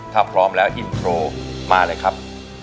ถ้าพร้อมแล้วอินโทรมาเลยครับ